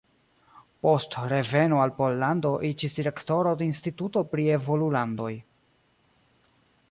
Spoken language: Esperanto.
Post reveno al Pollando iĝis direktoro de Instituto pri Evolulandoj.